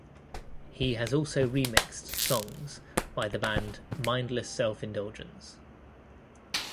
He has also remixed songs by the band Mindless Self Indulgence.